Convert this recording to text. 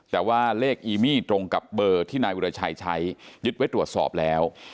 แต่ว่าเลขอีมี่ตรงกับเบอร์ที่นายวิราชัยใช้ยึดไว้ตรวจสอบแล้ว